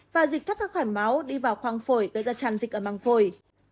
và dịch thất thất khỏe máu đi vào khoang phổi gây ra tràn dịch ở măng phổi